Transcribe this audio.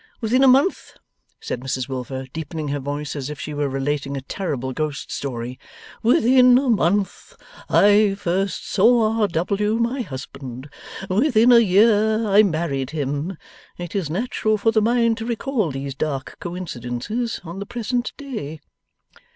Within a month,' said Mrs Wilfer, deepening her voice, as if she were relating a terrible ghost story, 'within a month, I first saw R. W. my husband. Within a year, I married him. It is natural for the mind to recall these dark coincidences on the present day.